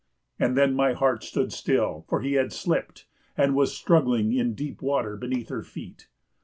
And then my heart stood still, for he had slipped and was struggling in deep water beneath her feet.